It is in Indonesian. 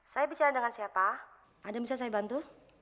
saya bicara dengan siapa ada yang bisa saya bantu